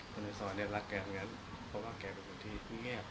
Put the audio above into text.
คนในซอยเนี่ยรักแกเหมือนกันเพราะว่าแกเป็นคนที่เงียบ